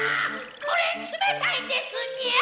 これ冷たいんですニャ！